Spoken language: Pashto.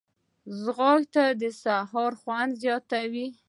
ځغاسته د سهار خوند زیاتوي